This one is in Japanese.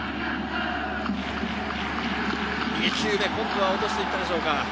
２球目、今度は落としていったでしょうか。